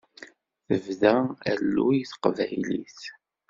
Tebda alluy teqbaylit.